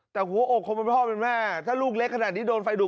แต่หัวอกคนเป็นพ่อเป็นแม่ถ้าลูกเล็กขนาดนี้โดนไฟดูด